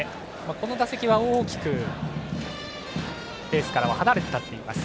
この打席は大きくベースからは離れて立っています。